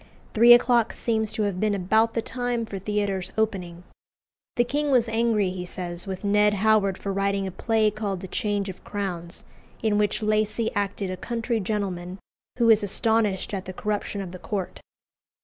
Three o'clock seems to have been about the time for theatres opening. The king was angry, he says, with Ned Howard for writing a play called "The Change of Crowns," in which Lacy acted a country gentleman who is astonished at the corruption of the court.